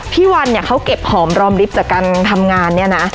พี่วันเขาเก็บหอมรอมลิฟท์จากการทำงานนะ